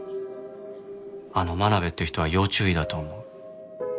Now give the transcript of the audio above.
あの真鍋っていう人は要注意だと思う。